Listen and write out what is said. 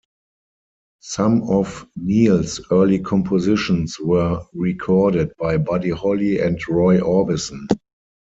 Some of Neil's early compositions were recorded by Buddy Holly and Roy Orbison.